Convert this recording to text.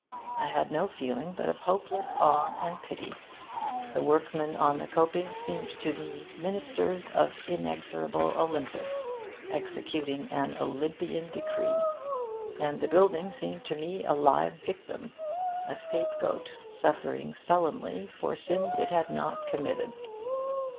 I had no feeling but of hopeless awe and pity. The workmen on the coping seemed to me ministers of inexorable Olympus, executing an Olympian decree. And the building seemed to me a live victim, a scapegoat suffering sullenly for sins it had not committed.